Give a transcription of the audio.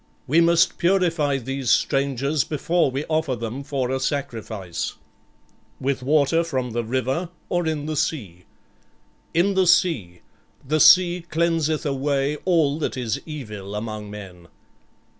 "We must purify these strangers before we offer them for a sacrifice." "With water from the river, or in the sea?" "In the sea. The sea cleanseth away all that is evil among men."